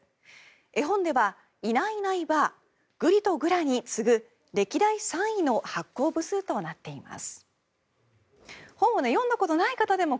絵本では「いないいないばあ」「ぐりとぐら」に次ぐ歴代３位の発行部数となっています。